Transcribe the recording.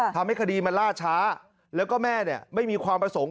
ทำให้คดีมันล่าช้าแล้วก็แม่เนี่ยไม่มีความประสงค์